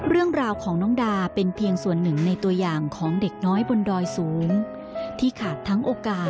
เรื่องราวของน้องดาเป็นเพียงส่วนหนึ่งในตัวอย่างของเด็กน้อยบนดอยสูง